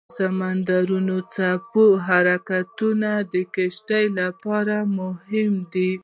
د سمندرونو څپو حرکتونه د کشتیو لپاره مهم دي.